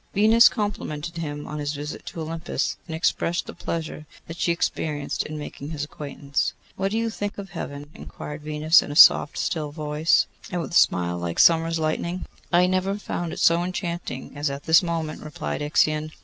Venus complimented him on his visit to Olympus, and expressed the pleasure that she experienced in making his acquaintance. 'What do you think of Heaven?' inquired Venus, in a soft still voice, and with a smile like summer lightning. 'I never found it so enchanting as at this moment,' replied Ixion.